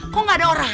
kok gak ada orangnya